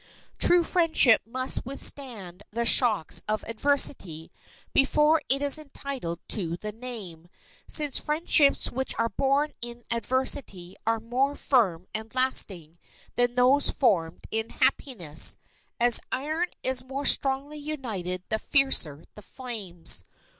True friendship must withstand the shocks of adversity before it is entitled to the name, since friendships which are born in adversity are more firm and lasting than those formed in happiness, as iron is more strongly united the fiercer the flames.